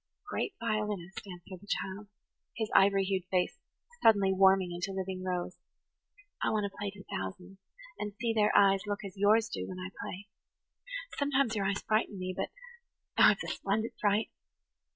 "A great violinist," answered the child, his ivory hued face suddenly warming into living rose. "I want to play to thousands–and see their eyes look as yours do when I play. Sometimes your eyes frighten me, but oh, it's a splendid fright!